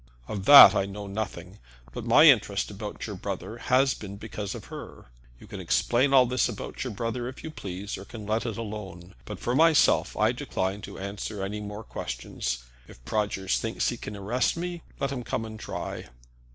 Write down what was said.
"Of that I know nothing. But my interest about your brother has been because of her. You can explain all this about your brother if you please, or can let it alone. But for myself, I decline to answer any more questions. If Prodgers thinks that he can arrest me, let him come and try."